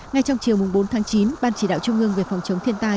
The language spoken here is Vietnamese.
ngay trong chiều bốn tháng chín ban chỉ đạo trung ương về phòng chống thiên tai